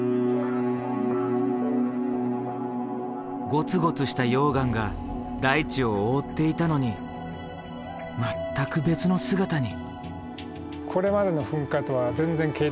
ゴツゴツした溶岩が大地を覆っていたのに全く別の姿に。